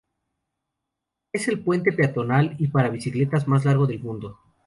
Es el puente peatonal y para bicicletas más largo del mundo.